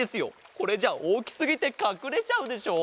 これじゃおおきすぎてかくれちゃうでしょ？